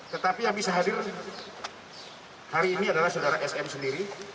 tetapi yang bisa hadir hari ini adalah saudara sm sendiri